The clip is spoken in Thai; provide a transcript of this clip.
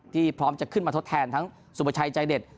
พร้อมจะขึ้นมาทดแทนทั้งสุประชัยใจเด็ด